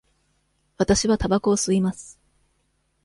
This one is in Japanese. わたしはたばこを吸います。